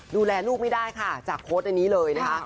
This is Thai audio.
ดูแลลูกไม่ได้ค่ะจากโพสต์อันนี้เลยนะคะ